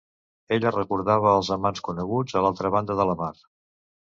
Ella recordava els amants coneguts a l’altra banda de la mar.